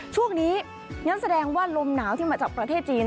ช่วงนี้งั้นแสดงว่าลมหนาวที่มาจากประเทศจีน